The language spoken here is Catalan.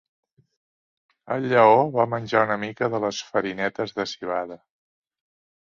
El lleó va menjar una mica de les farinetes de civada.